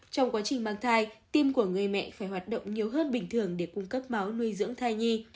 trong quá trình mang thai tim của người mẹ phải hoạt động nhiều hơn bình thường để cung cấp máu nuôi dưỡng thai nhi